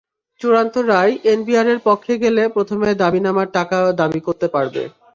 চূড়ান্ত রায় এনবিআরের পক্ষে গেলে প্রথমে দাবিনামার টাকা দাবি করতে পারবে।